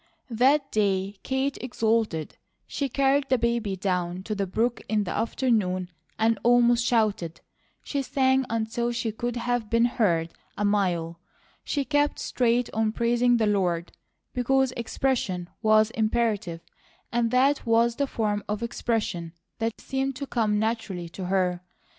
That day Kate exulted. She carried the baby down to the brook in the afternoon and almost shouted; she sang until she could have been heard a mile. She kept straight on praising the Lord, because expression was imperative, and that was the form of expression that seemed to come naturally to her.